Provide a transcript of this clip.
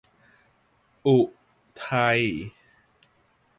อุทัย